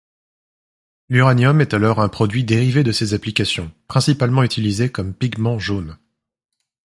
L'uranium est alors un produit dérivé de ces applications, principalement utilisé comme pigment jaune.